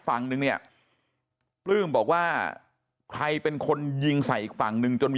ฝั่งนึงเนี่ยปลื้มบอกว่าใครเป็นคนยิงใส่อีกฝั่งนึงจนมี